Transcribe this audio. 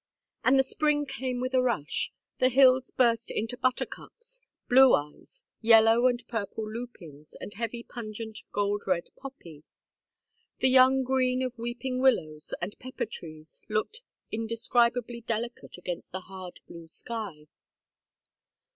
And the spring came with a rush. The hills burst into buttercups, "blue eyes," yellow and purple lupins, the heavy pungent gold red poppy. The young green of weeping willows and pepper trees looked indescribably delicate against the hard blue sky.